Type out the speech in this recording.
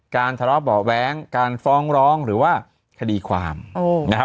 ทะเลาะเบาะแว้งการฟ้องร้องหรือว่าคดีความนะครับ